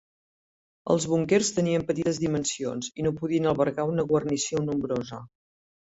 Els búnquers tenien petites dimensions, i no podien albergar una guarnició nombrosa.